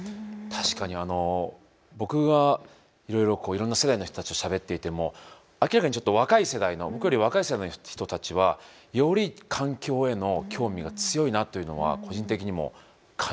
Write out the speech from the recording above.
確かに僕がいろいろな世代の人たちとしゃべっていても明らかに若い世代の僕より若い世代の人たちはより環境への興味が強いなというのは個人的にも感じていますね。